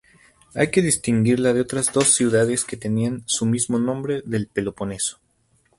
Hay que distinguirla de otras dos ciudades que tenían su mismo nombre del Peloponeso.